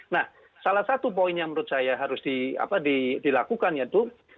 nah salah satu poin yang menurut saya harus dilakukan yaitu